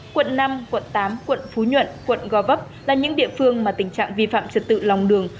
quận năm quận tám quận phú nhuận quận gò vấp là những địa phương mà tình trạng vi phạm trật tự lòng đường